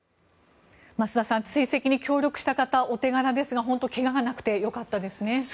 増田さん追跡に協力した方、お手柄ですが本当に怪我がなくてよかったですね。